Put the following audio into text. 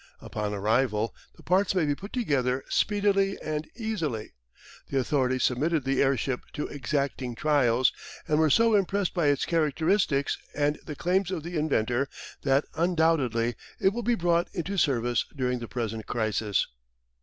Upon arrival the parts may be put together speedily and easily. The authorities submitted the airship to exacting trials and were so impressed by its characteristics and the claims of the inventor that undoubtedly it will be brought into service during the present crisis.